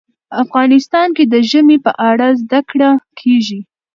افغانستان کې د ژمی په اړه زده کړه کېږي.